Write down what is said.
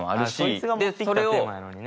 そいつが持ってきたテーマやのにね。